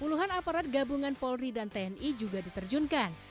puluhan aparat gabungan polri dan tni juga diterjunkan